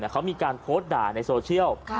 เขามีการโพสต์ด่าในโซเชียล